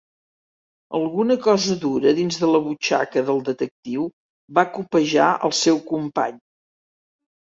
Alguna cosa dura dins de la butxaca del detectiu va copejar el seu company.